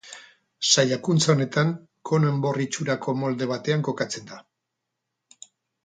Saiakuntza honetan kono-enbor itxurako molde batean kokatzen da.